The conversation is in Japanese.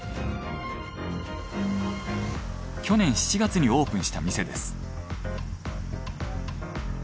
去年７月にオープンした店です。